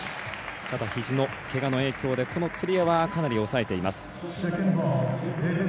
ただ、ひじのけがの影響でこのつり輪はかなり、抑えています。